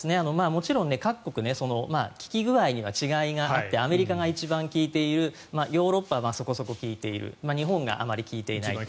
もちろん各国効き具合には違いがあってアメリカが一番効いているヨーロッパはそこそこ効いている日本があまり効いていない。